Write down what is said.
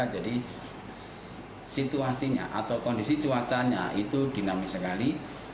jadi situasinya atau kondisi cuacanya itu dinamis sekali